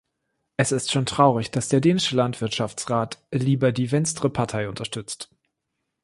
Es ist schon traurig, dass der dänische Landwirtschaftsrat lieber die Venstre-Partei unterstützt.